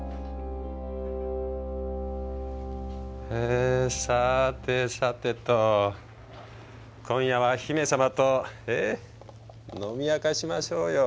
えさてさてと今夜は姫様とえっ飲み明かしましょうよ。